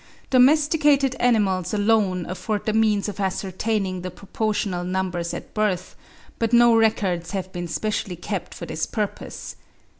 Domesticated animals alone afford the means of ascertaining the proportional numbers at birth; but no records have been specially kept for this purpose.